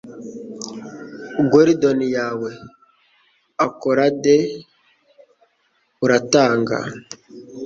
Guerdon yawe ... Accolade uratanga